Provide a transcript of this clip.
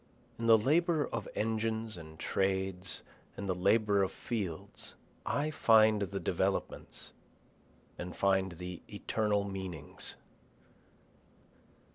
In the labor of engines and trades and the labor of fields I find the developments, And find the eternal meanings.